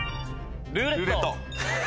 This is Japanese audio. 「ルーレット」。